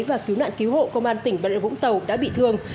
và cứu nạn cứu hộ công an tỉnh bà rịa vũng tàu đã bị thương